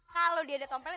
kalau dia ada tompelnya